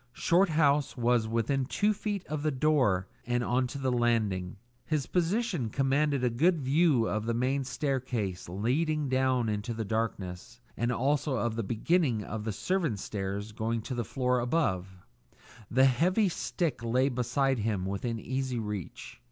Shorthouse was within two feet of the door on to the landing; his position commanded a good view of the main staircase leading down into the darkness, and also of the beginning of the servants' stairs going to the floor above; the heavy stick lay beside him within easy reach.